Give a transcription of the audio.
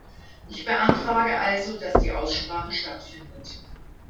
Ich beantrage also, dass die Aussprache stattfindet.